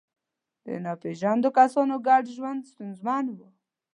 د ناپېژاندو کسانو ګډ ژوند ستونزمن و.